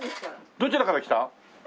どちらから来た？